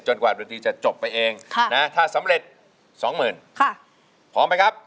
จนกว่าบริษัทจะจบไปเองถ้าสำเร็จ๒หมื่นพร้อมไหมครับ